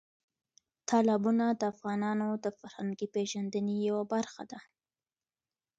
تالابونه د افغانانو د فرهنګي پیژندنې یوه برخه ده.